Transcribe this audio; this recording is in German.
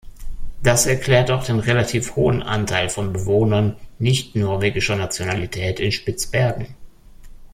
Das erklärt auch den relativ hohen Anteil von Bewohnern nicht-norwegischer Nationalität in Spitzbergen.